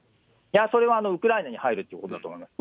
それはウクライナに入るということだと思います。